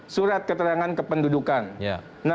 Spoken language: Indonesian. surat keterangan kependudukan